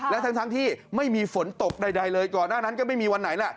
และทั้งที่ไม่มีฝนตกใดเลยก่อนหน้านั้นก็ไม่มีวันไหนแหละ